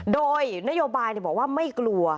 โดยนโยบายบอกว่าไม่กลัว